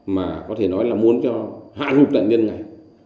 mà có thể nói là muốn cho hạ hụt nạn nhân này